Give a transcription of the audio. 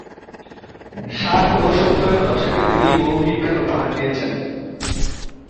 ষাট ও সত্তরের দশকে তিনি বহু হিট গান উপহার দিয়েছেন।